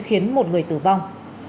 khiến một người tử vong